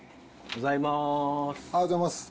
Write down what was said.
おはようございます。